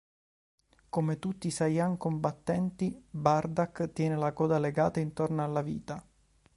Come tutti i Saiyan combattenti, Bardak tiene la coda legata intorno alla vita.